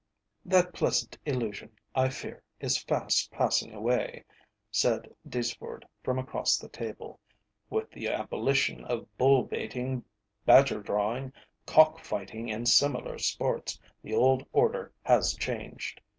"That pleasant illusion, I fear, is fast passing away," said Deeceford from across the table. "With the abolition of bull baiting, badger drawing, cock fighting, and similar sports, the old order has changed.